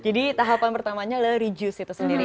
jadi tahapan pertamanya adalah reuse itu sendiri